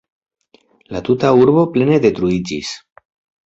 La tuta urbo plene detruiĝis.